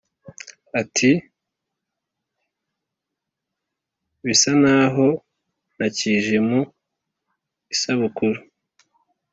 ati"bisanaho ntakije mu isabukuru"